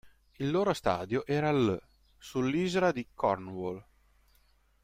Il loro stadio era l', sull'Isola di Cornwall.